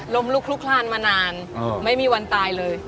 มลุกลุกคลานมานานไม่มีวันตายเลย